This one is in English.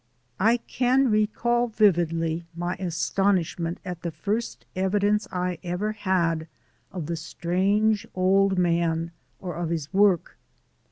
I can recall vividly my astonishment at the first evidence I ever had of the strange old man or of his work.